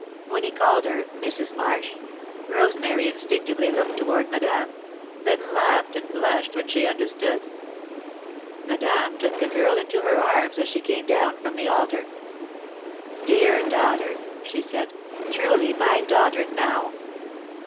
When he called her "Mrs. Marsh," Rosemary instinctively looked toward Madame, then laughed and blushed when she understood. Madame took the girl into her arms as she came down from the altar. "Dear daughter!" she said. "Truly my daughter, now!"